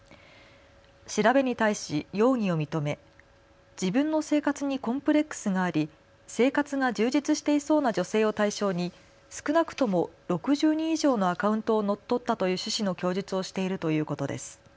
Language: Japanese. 調べに対し容疑を認め自分の生活にコンプレックスがあり生活が充実していそうな女性を対象に少なくとも６０人以上のアカウントを乗っ取ったという趣旨の供述をしているということです。